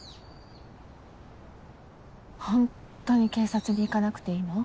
ホントに警察に行かなくていいの？